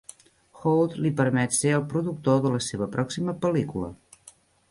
Hold li permet ser el productor de la seva pròxima pel·lícula.